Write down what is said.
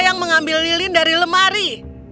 yang mengambil lilin dari lemari